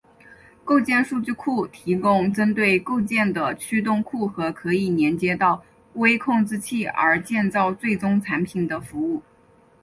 构件数据库提供针对构件的驱动库和可以连接到微控制器而建造最终产品的服务。